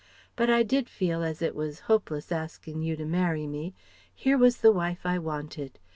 But I did feel, as it was hopeless askin' you to marry me, here was the wife I wanted.